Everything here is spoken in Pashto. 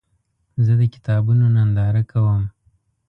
زه د کتابونو ننداره کوم.